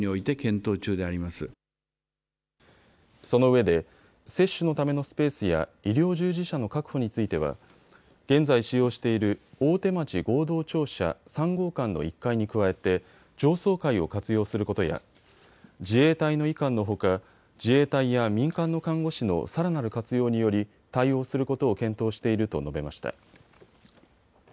そのうえで接種のためのスペースや医療従事者の確保については現在使用している大手町合同庁舎３号館の１階に加えて上層階を活用することや自衛隊の医官のほか自衛隊や民間の看護師のさらなる活用により、対応することを検討していると述べました。